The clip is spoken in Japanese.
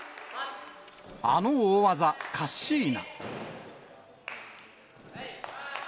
あの大技、カッシーナ。